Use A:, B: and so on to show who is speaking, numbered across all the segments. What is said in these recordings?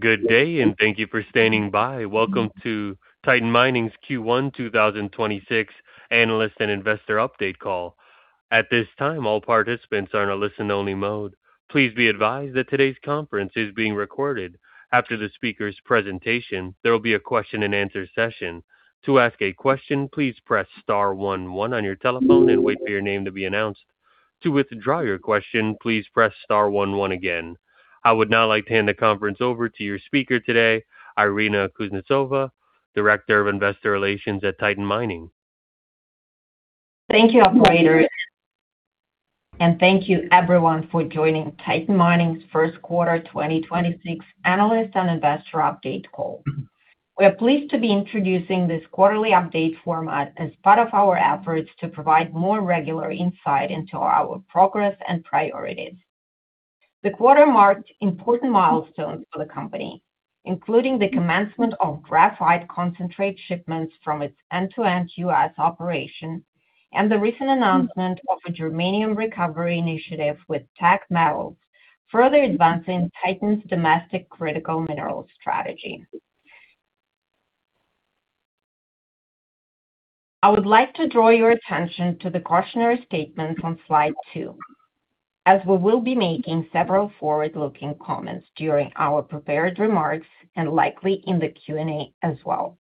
A: Good day, and thank you for standing by. Welcome to Titan Mining's Q1 2026 Analyst and Investor Update Call. At this time, all participants are in a listen-only mode. Please be advised that today's conference is being recorded. After the speaker's presentation, there will be a question-and-answer session. To ask a question, please press star one one on your telephone and wait for your name to be announced. To withdraw your question, please press star one one again. I would now like to hand the conference over to your speaker today, Irina Kuznetsova, Director of Investor Relations at Titan Mining.
B: Thank you, operator. Thank you everyone for joining Titan Mining's first quarter 2026 analyst and investor update call. We are pleased to be introducing this quarterly update format as part of our efforts to provide more regular insight into our progress and priorities. The quarter marked important milestones for the company, including the commencement of graphite concentrate shipments from its end-to-end U.S. operation and the recent announcement of a germanium recovery initiative with Teck Metals, further advancing Titan's domestic critical minerals strategy. I would like to draw your attention to the cautionary statements on slide two, as we will be making several forward-looking comments during our prepared remarks and likely in the Q&A as well.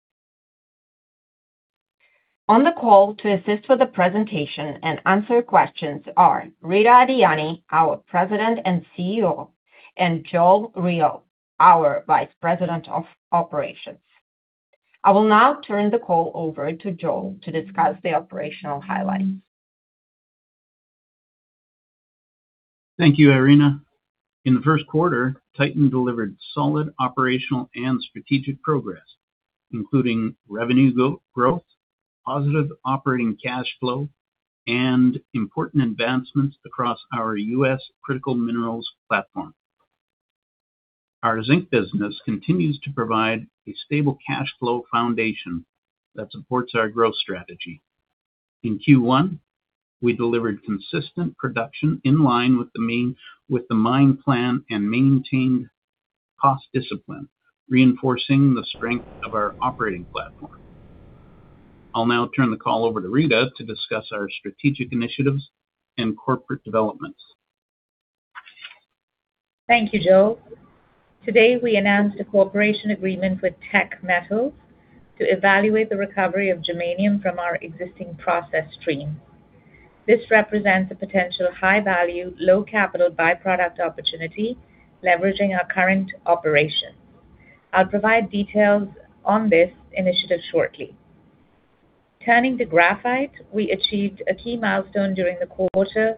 B: On the call to assist with the presentation and answer questions are Rita Adiani, our President and CEO, and Joel Rheault, our Vice President of Operations. I will now turn the call over to Joel to discuss the operational highlights.
C: Thank you, Irina. In the first quarter, Titan delivered solid operational and strategic progress, including revenue growth, positive operating cash flow, and important advancements across our U.S. critical minerals platform. Our zinc business continues to provide a stable cash flow foundation that supports our growth strategy. In Q1, we delivered consistent production in line with the mine plan and maintained cost discipline, reinforcing the strength of our operating platform. I'll now turn the call over to Rita to discuss our strategic initiatives and corporate developments.
D: Thank you, Joel. Today, we announced a cooperation agreement with Teck Metals to evaluate the recovery of germanium from our existing process stream. This represents a potential high-value, low-capital by-product opportunity leveraging our current operation. I'll provide details on this initiative shortly. Turning to graphite, we achieved a key milestone during the quarter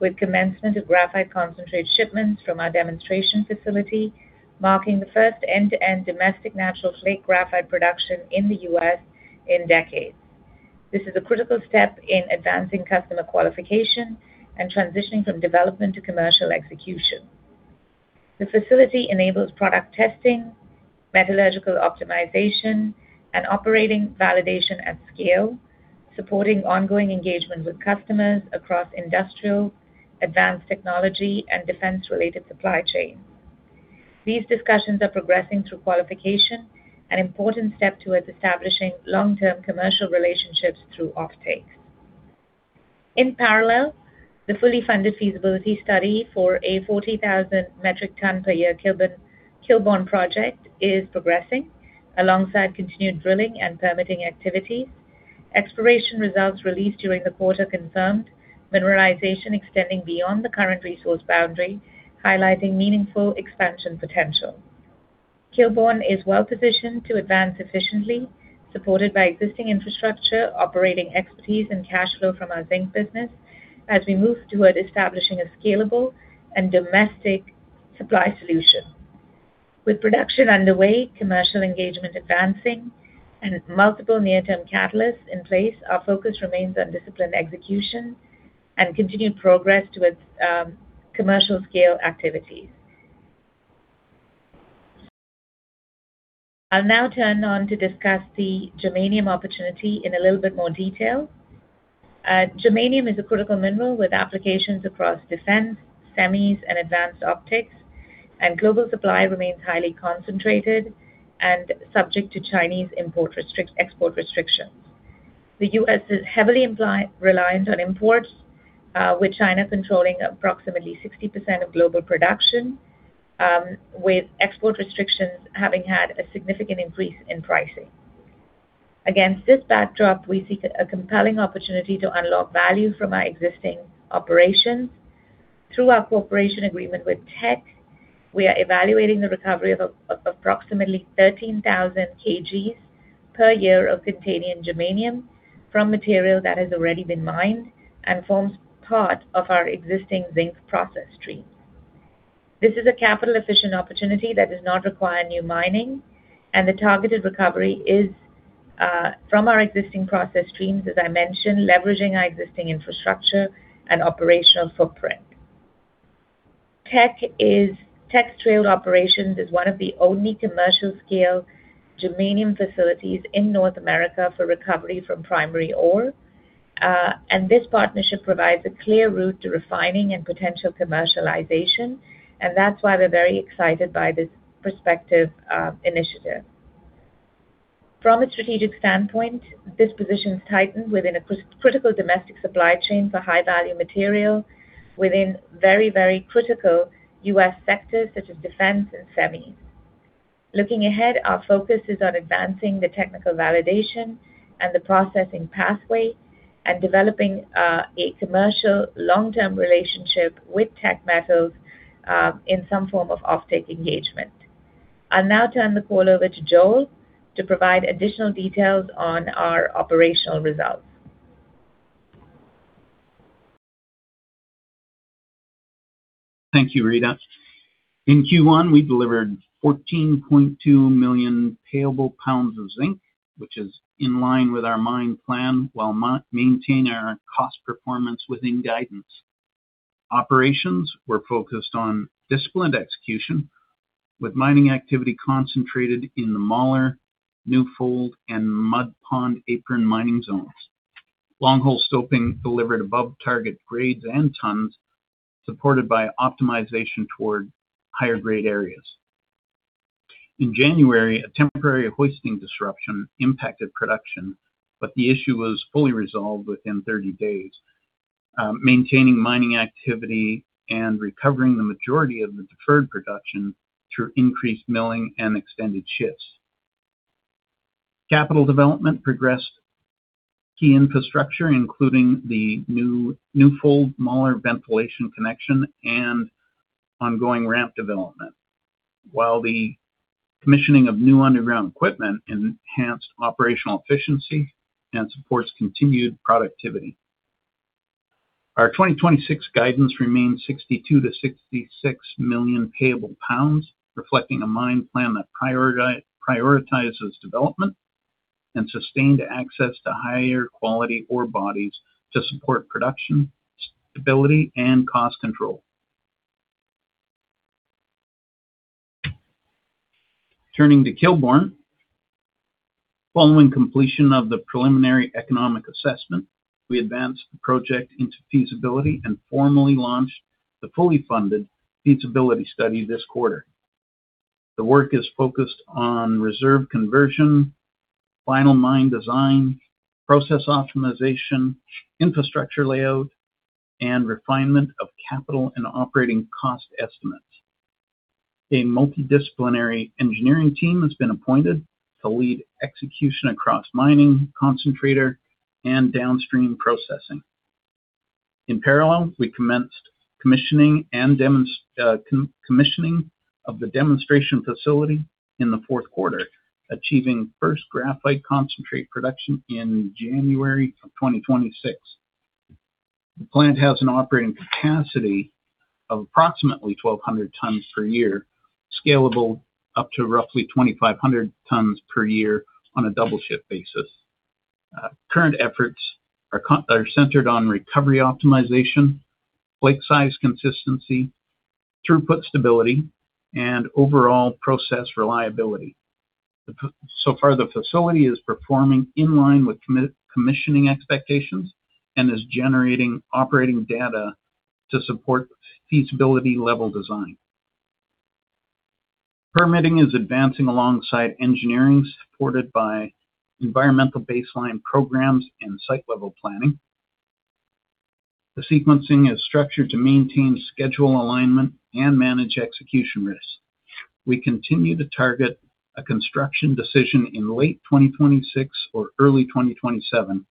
D: with commencement of graphite concentrate shipments from our demonstration facility, marking the first end-to-end domestic natural flake graphite production in the U.S. in decades. This is a critical step in advancing customer qualification and transitioning from development to commercial execution. The facility enables product testing, metallurgical optimization, and operating validation at scale, supporting ongoing engagement with customers across industrial, advanced technology, and defense-related supply chain. These discussions are progressing through qualification, an important step towards establishing long-term commercial relationships through offtake. In parallel, the fully funded feasibility study for a 40,000 metric ton per year Kilbourne project is progressing alongside continued drilling and permitting activities. Exploration results released during the quarter confirmed mineralization extending beyond the current resource boundary, highlighting meaningful expansion potential. Kilbourne is well-positioned to advance efficiently, supported by existing infrastructure, operating expertise, and cash flow from our zinc business as we move toward establishing a scalable and domestic supply solution. With production underway, commercial engagement advancing, and multiple near-term catalysts in place, our focus remains on disciplined execution and continued progress towards commercial scale activities. I'll now turn on to discuss the germanium opportunity in a little bit more detail. Germanium is a critical mineral with applications across defense, semis, and advanced optics. Global supply remains highly concentrated and subject to Chinese export restrictions. The U.S. is heavily reliant on imports, with China controlling approximately 60% of global production, with export restrictions having had a significant increase in pricing. Against this backdrop, we see a compelling opportunity to unlock value from our existing operations. Through our cooperation agreement with Teck, we are evaluating the recovery of approximately 13,000 kgs per year of containing germanium from material that has already been mined and forms part of our existing zinc process stream. This is a capital-efficient opportunity that does not require new mining, and the targeted recovery is from our existing process streams, as I mentioned, leveraging our existing infrastructure and operational footprint. Teck's Trail Operations is one of the only commercial scale germanium facilities in North America for recovery from primary ore. This partnership provides a clear route to refining and potential commercialization, and that's why we're very excited by this prospective initiative. From a strategic standpoint, this positions Titan within a critical domestic supply chain for high-value material within very, very critical U.S. sectors such as defense and semi. Looking ahead, our focus is on advancing the technical validation and the processing pathway and developing a commercial long-term relationship with Teck Metals in some form of offtake engagement. I'll now turn the call over to Joel to provide additional details on our operational results.
C: Thank you, Rita. In Q1, we delivered 14.2 million payable pounds of zinc, which is in line with our mine plan while maintaining our cost performance within guidance. Operations were focused on disciplined execution, with mining activity concentrated in the Mahler, New Fowler, and Mud Pond apron mining zones. Long hole stoping delivered above target grades and tons, supported by optimization toward higher grade areas. In January, a temporary hoisting disruption impacted production, but the issue was fully resolved within 30 days, maintaining mining activity and recovering the majority of the deferred production through increased milling and extended shifts. Capital development progressed key infrastructure, including the new, New Fowler-Mahler ventilation connection and ongoing ramp development. The commissioning of new underground equipment enhanced operational efficiency and supports continued productivity. Our 2026 guidance remains $62 million-$66 million payable pounds, reflecting a mine plan that prioritizes development and sustained access to higher quality ore bodies to support production, stability, and cost control. Turning to Kilbourne. Following completion of the preliminary economic assessment, we advanced the project into feasibility and formally launched the fully funded feasibility study this quarter. The work is focused on reserve conversion, final mine design, process optimization, infrastructure layout, and refinement of capital and operating cost estimates. A multidisciplinary engineering team has been appointed to lead execution across mining, concentrator, and downstream processing. In parallel, we commenced commissioning of the demonstration facility in the fourth quarter, achieving first graphite concentrate production in January of 2026. The plant has an operating capacity of approximately 1,200 tons per year, scalable up to roughly 2,500 tons per year on a double shift basis. Current efforts are centered on recovery optimization, flake size consistency, throughput stability, and overall process reliability. So far, the facility is performing in line with commissioning expectations and is generating operating data to support feasibility level design. Permitting is advancing alongside engineering, supported by environmental baseline programs and site level planning. The sequencing is structured to maintain schedule alignment and manage execution risk. We continue to target a construction decision in late 2026 or early 2027,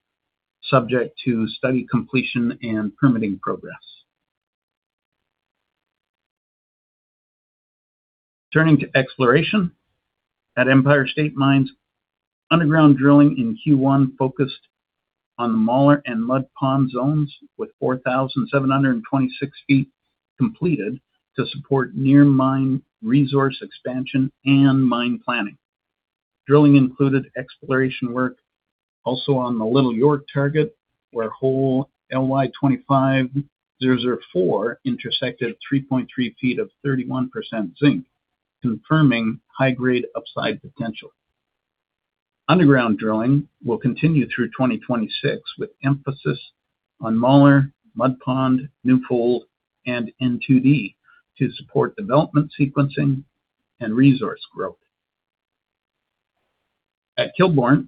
C: subject to study completion and permitting progress. Turning to exploration. At Empire State Mines, underground drilling in Q1 focused on the Mahler and Mud Pond zones with 4,726 ft completed to support near mine resource expansion and mine planning. Drilling included exploration work also on the Little York target, where hole LY25004 intersected 3.3 ft of 31% zinc, confirming high grade upside potential. Underground drilling will continue through 2026, with emphasis on Mahler, Mud Pond, Newfold, and N2D to support development sequencing and resource growth. At Kilbourne,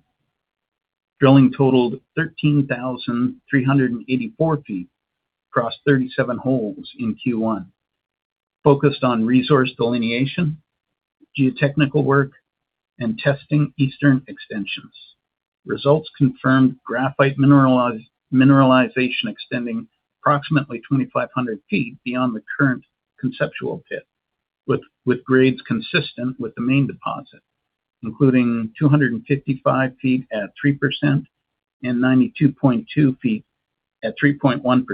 C: drilling totaled 13,384 feet across 37 holes in Q1, focused on resource delineation, geotechnical work, and testing eastern extensions. Results confirmed graphite mineralization extending approximately 2,500 ft beyond the current conceptual pit with grades consistent with the main deposit, including 255 ft at 3% and 92.2 ft at 3.1%,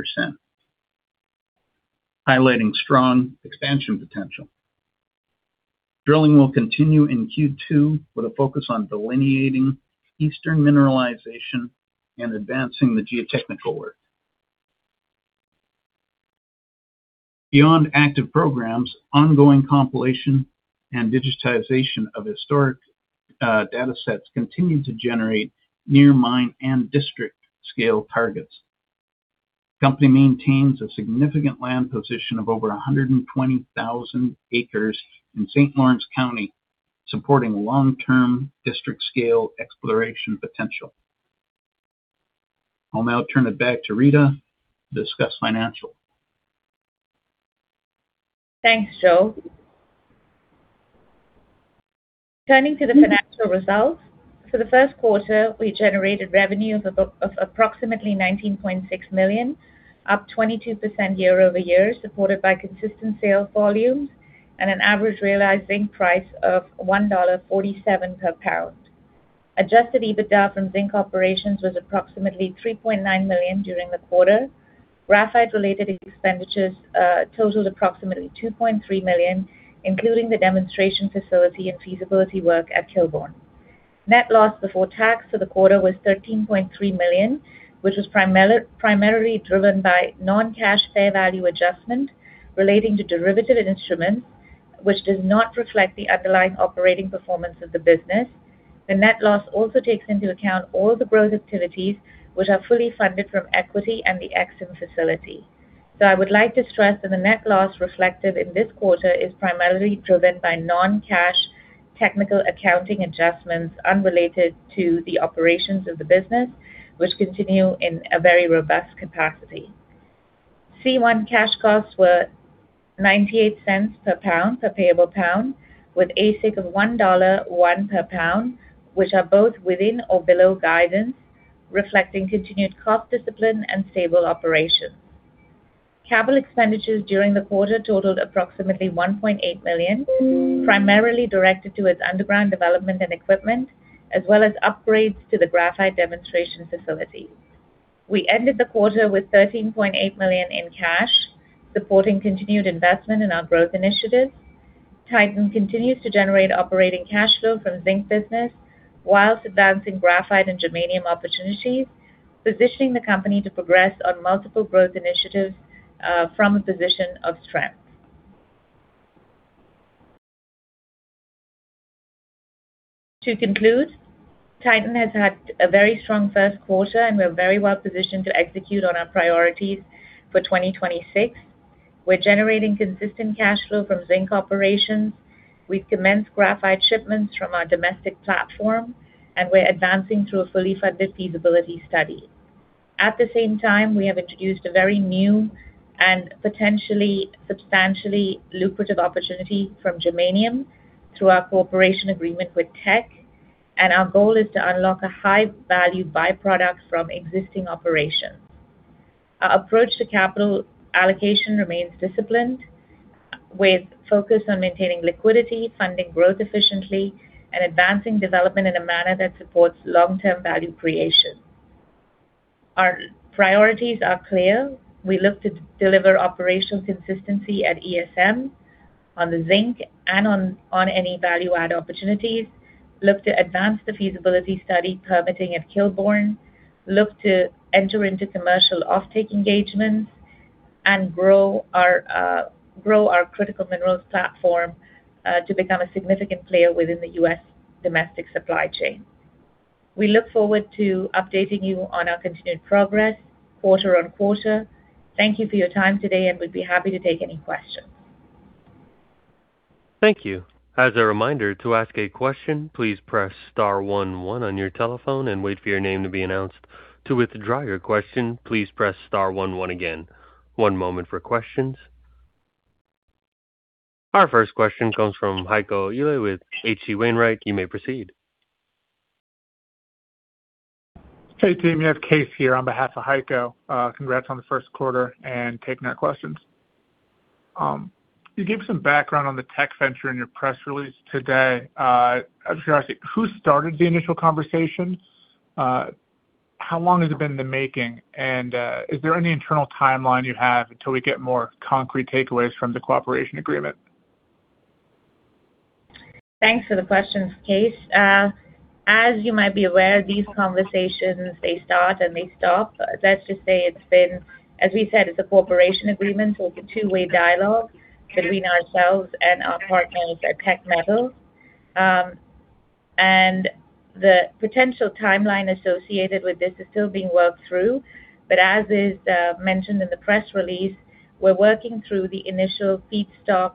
C: highlighting strong expansion potential. Drilling will continue in Q2 with a focus on delineating eastern mineralization and advancing the geotechnical work. Beyond active programs, ongoing compilation and digitization of historic data sets continue to generate near mine and district scale targets. Company maintains a significant land position of over 120,000 acres in St. Lawrence County, supporting long-term district scale exploration potential. I'll now turn it back to Rita to discuss financial.
D: Thanks, Joe. Turning to the financial results. For the first quarter, we generated revenues of approximately $19.6 million, up 22% year-over-year, supported by consistent sales volumes and an average realized zinc price of $1.47 per pound. Adjusted EBITDA from zinc operations was approximately $3.9 million during the quarter. Graphite-related expenditures totaled approximately $2.3 million, including the demonstration facility and feasibility work at Kilbourne. Net loss before tax for the quarter was $13.3 million, which was primarily driven by non-cash fair value adjustment relating to derivative instruments, which does not reflect the underlying operating performance of the business. The net loss also takes into account all the growth activities which are fully funded from equity and the EXIM facility. I would like to stress that the net loss reflected in this quarter is primarily driven by non-cash technical accounting adjustments unrelated to the operations of the business, which continue in a very robust capacity. C1 cash costs were $0.98 per pound, per payable pound, with AISC of $1.01 per pound, which are both within or below guidance, reflecting continued cost discipline and stable operations. Capital expenditures during the quarter totaled approximately $1.8 million, primarily directed towards underground development and equipment, as well as upgrades to the graphite demonstration facility. We ended the quarter with $13.8 million in cash, supporting continued investment in our growth initiatives. Titan continues to generate operating cash flow from zinc business whilst advancing graphite and germanium opportunities, positioning the company to progress on multiple growth initiatives from a position of strength. To conclude, Titan has had a very strong first quarter and we're very well positioned to execute on our priorities for 2026. We're generating consistent cash flow from zinc operations. We've commenced graphite shipments from our domestic platform, and we're advancing through a fully funded feasibility study. At the same time, we have introduced a very new and potentially substantially lucrative opportunity from germanium through our cooperation agreement with Teck. Our goal is to unlock a high value by-product from existing operations. Our approach to capital allocation remains disciplined, with focus on maintaining liquidity, funding growth efficiently, and advancing development in a manner that supports long-term value creation. Our priorities are clear. We look to deliver operational consistency at ESM on the zinc and on any value add opportunities. Look to advance the feasibility study permitting at Kilbourne. Look to enter into commercial offtake engagements and grow our critical minerals platform to become a significant player within the U.S. domestic supply chain. We look forward to updating you on our continued progress quarter-on-quarter. Thank you for your time today, and we'd be happy to take any questions.
A: Thank you. As a reminder to ask a question, please press star one one on your telephone and wait for your name to be announced. To withdraw your question, please press star one one again. One moment for questions. Our first question comes from Heiko Ihle with HC Wainwright. You may proceed.
E: Hey, team, you have Case here on behalf of Heiko. Congrats on the first quarter and taking our questions. You gave some background on the Teck venture in your press release today. I was gonna ask you, who started the initial conversation? How long has it been in the making? Is there any internal timeline you have until we get more concrete takeaways from the cooperation agreement?
D: Thanks for the questions, Case. As you might be aware, these conversations, they start and they stop. Let's just say it's been, as we said, it's a cooperation agreement, so it's a two-way dialogue between ourselves and our partners at Teck Metals. The potential timeline associated with this is still being worked through. As is mentioned in the press release, we're working through the initial feedstock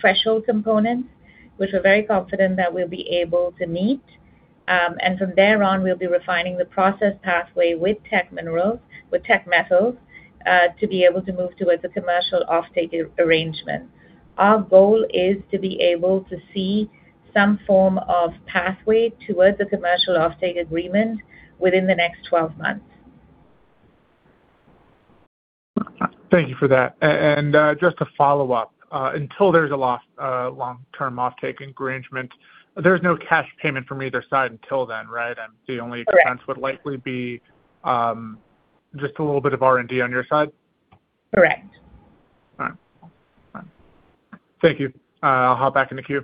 D: threshold components, which we're very confident that we'll be able to meet. From there on, we'll be refining the process pathway with Teck Metals to be able to move towards a commercial offtake arrangement. Our goal is to be able to see some form of pathway towards a commercial offtake agreement within the next 12 months.
E: Thank you for that. Just to follow up, until there's a long-term offtake engagement, there's no cash payment from either side until then, right? The only
D: Correct.
E: Rxpense would likely be, just a little bit of R&D on your side?
D: Correct.
E: All right. Thank you. I'll hop back in the queue.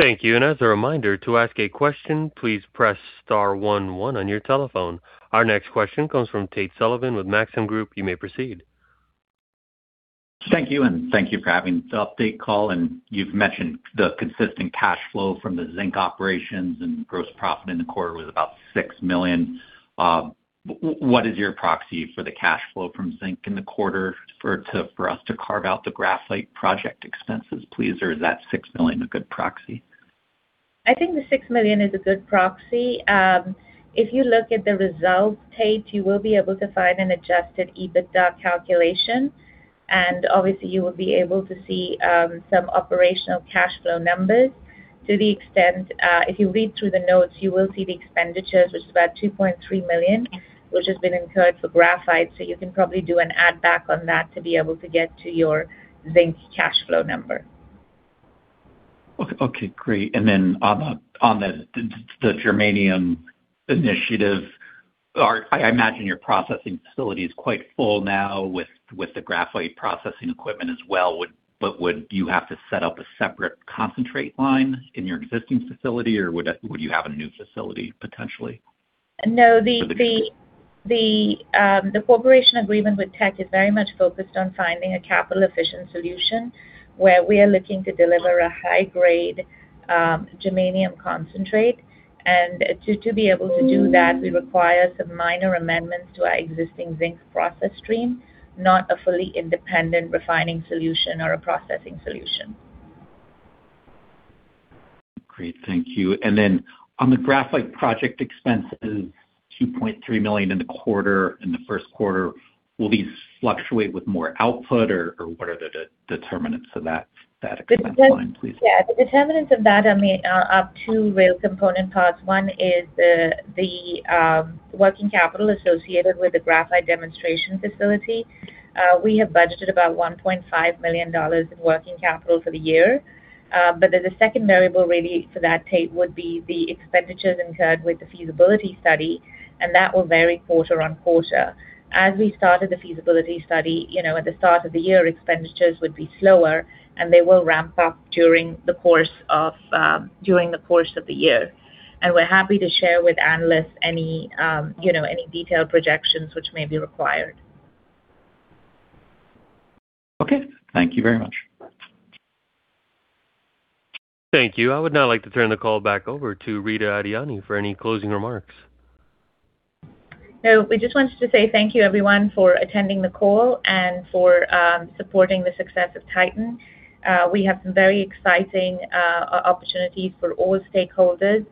A: Thank you. As a reminder, to ask a question, please press star one one on your telephone. Our next question comes from Tate Sullivan with Maxim Group. You may proceed.
F: Thank you. Thank you for having this update call. You've mentioned the consistent cash flow from the zinc operations and gross profit in the quarter was about $6 million. What is your proxy for the cash flow from zinc in the quarter for us to carve out the graphite project expenses, please? Is that $6 million a good proxy?
D: I think the $6 million is a good proxy. If you look at the results, Tate, you will be able to find an adjusted EBITDA calculation, and obviously you will be able to see some operational cash flow numbers. To the extent, if you read through the notes, you will see the expenditures, which is about $2.3 million, which has been incurred for graphite. You can probably do an add back on that to be able to get to your zinc cash flow number.
F: Okay, great. On the germanium initiative, I imagine your processing facility is quite full now with the graphite processing equipment as well. Would you have to set up a separate concentrate line in your existing facility, or would you have a new facility potentially?
D: No, the cooperation agreement with Teck is very much focused on finding a capital efficient solution where we are looking to deliver a high grade germanium concentrate. To be able to do that, we require some minor amendments to our existing zinc process stream, not a fully independent refining solution or a processing solution.
F: Great. Thank you. On the graphite project expenses, $2.3 million in the quarter, in the first quarter, will these fluctuate with more output or what are the determinants of that expense line, please?
D: Yeah. The determinants of that are of two real component parts. One is the working capital associated with the graphite demonstration facility. We have budgeted about $1.5 million in working capital for the year. The second variable really for that, Tate, would be the expenditures incurred with the feasibility study, and that will vary quarter-on-quarter. As we started the feasibility study at the start of the year, expenditures would be slower and they will ramp up during the course of the year. We're happy to share with analysts any detailed projections which may be required.
F: Okay. Thank you very much.
A: Thank you. I would now like to turn the call back over to Rita Adiani for any closing remarks.
D: We just wanted to say thank you everyone for attending the call and for supporting the success of Titan. We have some very exciting opportunities for all stakeholders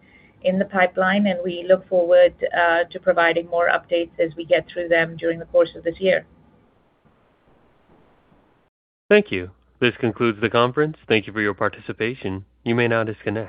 D: in the pipeline, and we look forward to providing more updates as we get through them during the course of this year.
A: Thank you. This concludes the conference. Thank you for your participation. You may now disconnect.